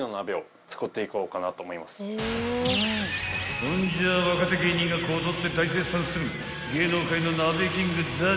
［ほんじゃ若手芸人がこぞって大絶賛する芸能界の鍋キングＺＡＺＹ］